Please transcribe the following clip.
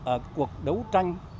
ở cuộc đấu tranh